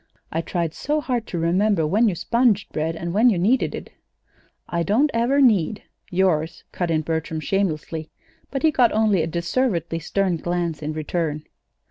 I tried so hard to remember when you sponged bread and when you kneaded it." "I don't ever need yours," cut in Bertram, shamelessly; but he got only a deservedly stern glance in return.